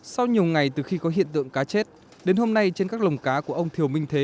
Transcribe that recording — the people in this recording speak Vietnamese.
sau nhiều ngày từ khi có hiện tượng cá chết đến hôm nay trên các lồng cá của ông thiều minh thế